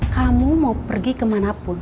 kamu mau pergi kemanapun